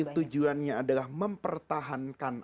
tujuannya adalah mempertahankan